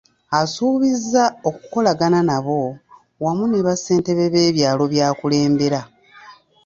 Asuubizza okukolagana n’abo, wamu ne bassentebe b’ebyalo by’akulembera.